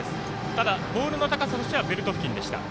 ただ、ボールの高さとしてはベルト付近でした。